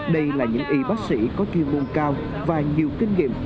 đây là những y bác sĩ có chuyên môn cao và nhiều kinh nghiệm